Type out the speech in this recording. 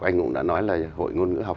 anh cũng đã nói là hội ngôn ngữ học